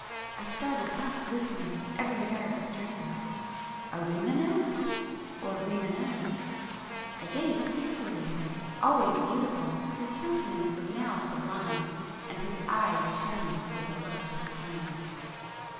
I started up listening, every nerve strained——Ahrimanes?—or Rimânez? I gazed fearfully at him, ... always beautiful, his countenance was now sublime, ... and his eyes shone with a lustrous flame.